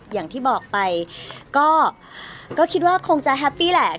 อย่างที่บอกไปก็คิดว่าคงจะแฮปปี้แหละ